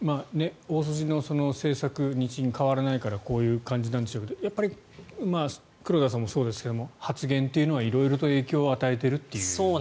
大筋の政策日銀は変わらないからこういう感じなんでしょうけど黒田さんもそうですが発言というのは色々影響を与えていると。